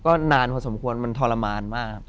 ก็นานพอสมควรมันทรมานมากครับ